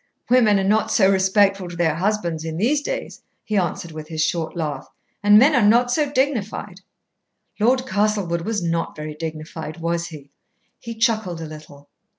"Women are not so respectful to their husbands in these days," he answered, with his short laugh. "And men are not so dignified." "Lord Castlewood was not very dignified, was he?" He chuckled a little.